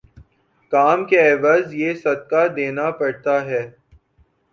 کام کے عوض یہ صدقہ دینا پڑتا ہے۔